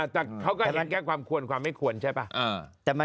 แต่เขาก็ยังแก้ความควรความไม่ควรใช่ไหม